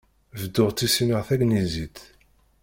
Bedduɣ ttissineɣ tagnizit.